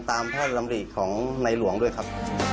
ตามพระรำริของนายหลวงด้วยครับ